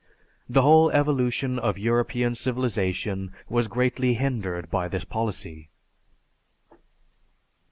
The whole evolution of European civilization was greatly hindered by this policy.